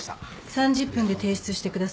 ３０分で提出してください。